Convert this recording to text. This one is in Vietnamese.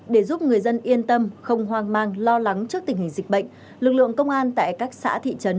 để giúp người dân yên tâm không hoang mang lo lắng trước tình hình dịch bệnh